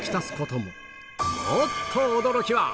もっと驚きは！